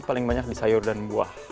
paling banyak di sayur dan buah